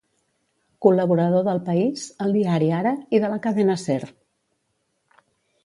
Col·laborador d'El País, El Diari Ara i de la Cadena Ser.